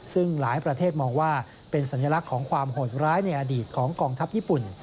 ซึ่งหลายประเทศมองว่าเป็นสัญลักษณ์ของความโหดร้ายในอดีตของกองทัพญี่ปุ่น